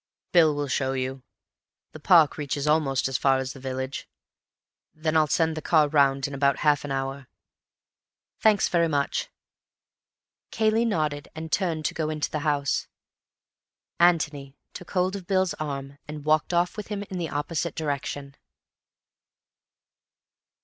"Bill will show you. The park reaches almost as far as the village. Then I'll send the car round in about half an hour." "Thanks very much." Cayley nodded and turned to go into the house. Antony took hold of Bill's arm and walked off with him in the opposite direction.